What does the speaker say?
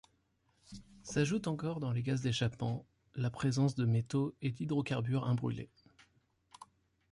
S'ajoute encore dans les gaz d'échappement la présence de métaux et d'hydrocarbures imbrûlés.